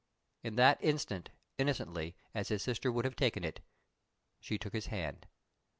In that instant, innocently as his sister might have taken it, she took his hand.